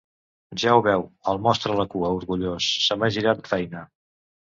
Ja ho veu —els mostra la cua, orgullós—, se m'ha girat feina!